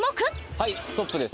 はいストップです。